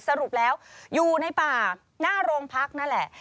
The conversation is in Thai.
สรุปแล้วอยู่ในป่าหน้าโรงพักนั่นแหละ